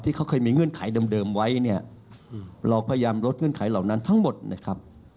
ที่เขาเคยมีเงื่อนไขเดิมไว้เนี่ยเราพยายามลดเงื่อนไขเหล่านั้นทั้งหมดนะครับ